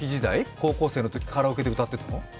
高校生のときカラオケで歌ってたの？